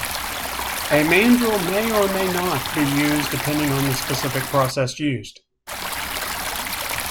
A mandrel may or may not be used depending on the specific process used.